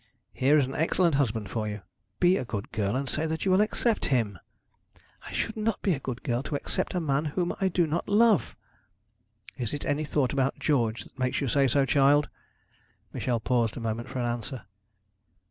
Here is an excellent husband for you. Be a good girl, and say that you will accept him.' 'I should not be a good girl to accept a man whom I do not love.' 'Is it any thought about George that makes you say so, child?' Michel paused a moment for an answer.